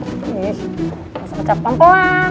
masa kecap pelan pelan